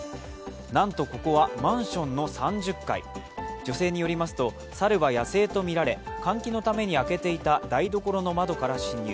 なんと、ここはマンションの３０階女性によりますと、猿は野生とみられ、換気のために開けていた台所の窓から侵入。